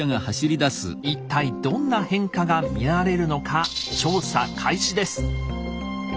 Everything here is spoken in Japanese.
一体どんな変化が見られるのか調査開始です。